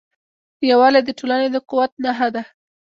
یووالی د ټولنې د قوت نښه ده.